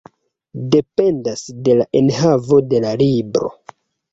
Dependas de la enhavo de la libro.